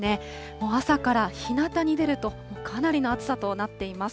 もう朝からひなたに出ると、かなりの暑さとなっています。